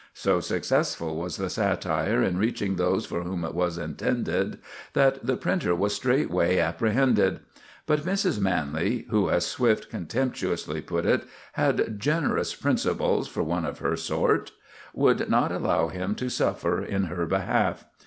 So successful was the satire in reaching those for whom it was intended, that the printer was straightway apprehended; but Mrs. Manley—who, as Swift contemptuously put it, "had generous principles for one of her sort"—would not allow him to suffer in her behalf.